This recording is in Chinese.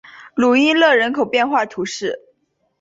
鲁伊勒人口变化图示